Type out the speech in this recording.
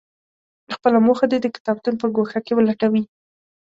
خپله موخه دې د کتابتون په ګوښه کې ولټوي.